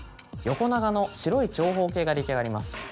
横長の白い長方形が出来上がります。